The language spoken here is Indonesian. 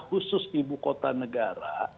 khusus ibu kota negara